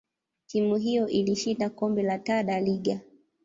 timu hiyo ilishinda kombe la Taa da Liga.